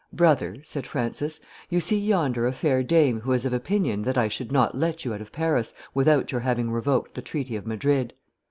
"Brother," said Francis, "you see yonder a fair dame who is of opinion that I should not let you out of Paris without your having revoked the treaty of Madrid."